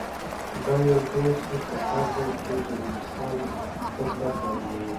دا یو داسې سفر دی چې د انسان فکر بدلوي.